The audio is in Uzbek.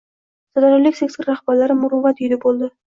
Sirdaryolik sektor rahbarlari “Muruvvat uyi”da bo‘ldi